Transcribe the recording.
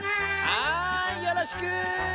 はいよろしく！